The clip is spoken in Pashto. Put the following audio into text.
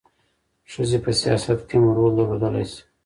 ښځې په سیاست کې هم رول درلودلی شي.